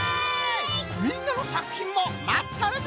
みんなのさくひんもまっとるぞ！